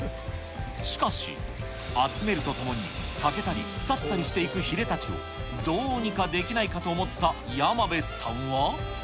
しかし、集めるとともに、欠けたり、腐ったりしていくヒレを、どうにかできないかと思った山辺さんは。